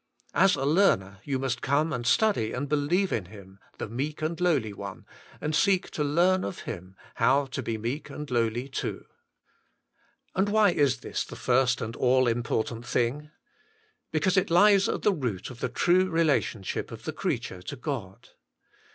As a learner you must come and study and believe in Him the meek and lowly One, and 84 The Inner Chamber seek to learn of Him how to he meek and lowly too. And why is this the first and all important thing? Because it lies at the root of the true relationship of the creature to God.